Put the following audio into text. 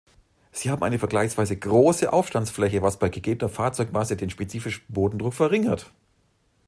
Sie haben eine vergleichsweise große Aufstandsfläche, was bei gegebener Fahrzeugmasse den spezifischen Bodendruck verringert.